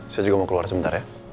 saya juga mau keluar sebentar ya